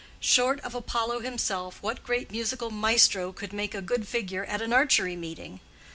Short of Apollo himself, what great musical maestro could make a good figure at an archery meeting?